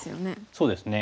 そうですね。